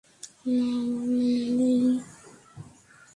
না আমার মনে নেই!